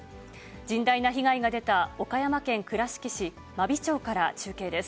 甚大な被害が出た岡山県倉敷市真備町から中継です。